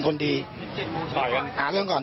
ต่อยกันมีเรื่องกันต่อยกันเลยหรอพี่หมอน